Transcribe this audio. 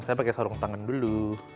saya pakai sarung tangan dulu